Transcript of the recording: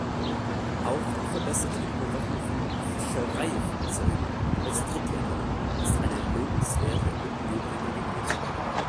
Auch die verbesserte Überwachung von Fischereifahrzeugen aus Drittländern ist eine lobenswerte und notwendige Initiative.